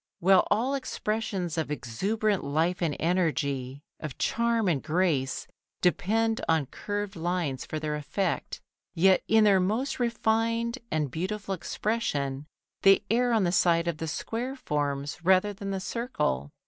While all expressions of exuberant life and energy, of charm and grace depend on curved lines for their effect, yet in their most refined and beautiful expression they err on the side of the square forms rather than the circle.